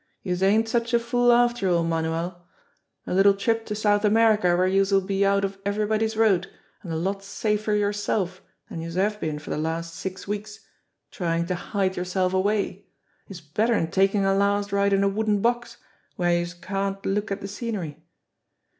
Youse ain't such a fool after all, Manuel ! A little trip to South America where youse'll be out of everybody's road, an' a lot safer yourself dan youse have been for de last six weeks tryin' to hide yerself away, is better'n takin' a last ride in a wooden box where youse can't look at de scenery